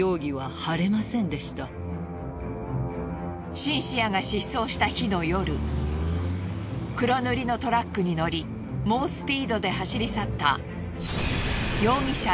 シンシアが失踪した日の夜黒塗りのトラックに乗り猛スピードで走り去った。